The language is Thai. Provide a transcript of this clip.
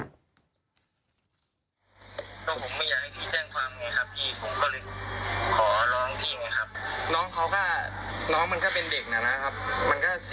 สั้นอะไรอย่างเนี่ยบางที่ผมก็ไม่รู้ใช่ที่รับผิดชอบยังไง